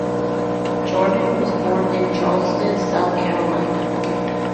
Jordan was born in Charleston, South Carolina.